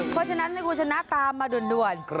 เพราะฉะนั้นให้คุณชนะตามมาด่วน